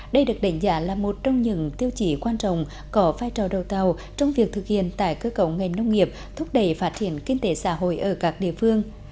đây được đánh giá là một trong những tiêu chí quan trọng có vai trò đầu tàu trong việc thực hiện tải cơ cấu ngành nông nghiệp thúc đẩy phát triển kinh tế xã hội ở các địa phương